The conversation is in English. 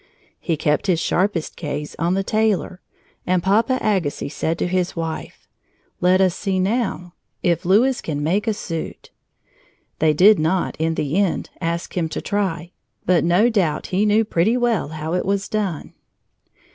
He kept his sharpest gaze on the tailor, and Papa Agassiz said to his wife: "Let us see, now, if Louis can make a suit!" They did not, in the end, ask him to try, but no doubt he knew pretty well how it was done.